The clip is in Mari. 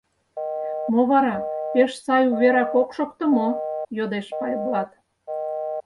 — Мо вара, пеш сай уверак ок шокто мо? — йодеш Пайблат.